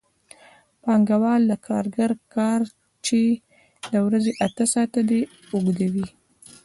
پانګوال د کارګر کار چې د ورځې اته ساعته دی اوږدوي